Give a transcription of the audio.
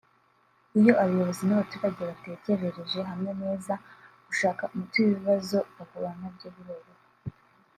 iyo abayobozi n’abaturage batekerereje hamwe neza gushaka umuti w’ibibazo bahura na byo biroroha